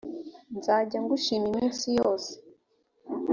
nzajya ngushima iminsi yose